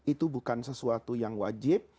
itu bukan sesuatu yang wajib